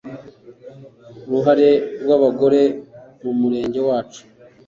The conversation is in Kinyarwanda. uruhare rw'abagore mu murenge wacu